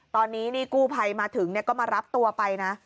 ตอนนี้นี่กู้ภัยมาถึงก็มารับตัวไปนะ